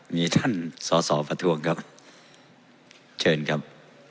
มีท่านสอประทุกข์ครับเชิญครับ